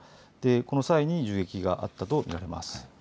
この際に銃撃があったと見られます。